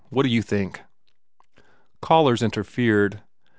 What d you think?" Callers interfered.